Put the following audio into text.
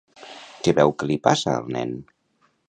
Què veu que li passa al nen?